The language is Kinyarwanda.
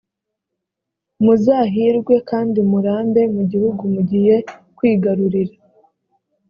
muzahirwe kandi murambe mu gihugu mugiye kwigarurira.